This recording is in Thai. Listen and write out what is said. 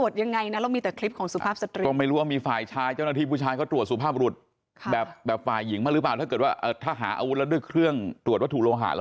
จะต้องใช้มือจับแบบหายาเซปติกหรือเปล่า